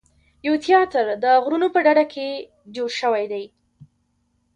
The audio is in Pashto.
یو تیاتر د غرونو په ډډه کې جوړ شوی دی.